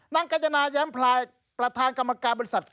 กัญจนาแย้มพลายประธานกรรมการบริษัท